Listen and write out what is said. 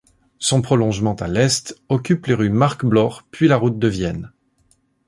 Son prolongement à l'est occupe les rues Marc Bloch puis la route de Vienne.